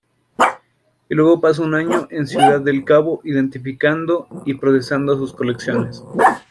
Y luego pasó un año en Ciudad del Cabo, identificando y procesando sus colecciones.